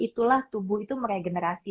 itulah tubuh itu meregenerasi